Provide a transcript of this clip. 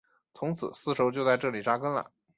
从此丝绸就在这里扎根了。